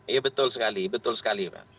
iya betul sekali betul sekali pak